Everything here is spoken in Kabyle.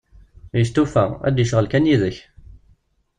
Yestufa, ad d-yecɣel kan yid-k.